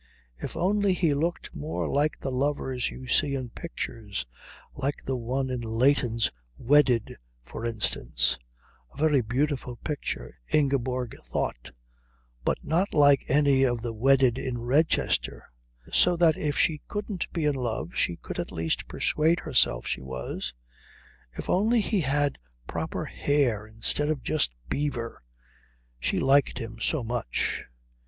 If only he looked more like the lovers you see in pictures, like the one in Leighton's "Wedded," for instance a very beautiful picture, Ingeborg thought, but not like any of the wedded in Redchester so that if she couldn't be in love she could at least persuade herself she was. If only he had proper hair instead of just beaver. She liked him so much.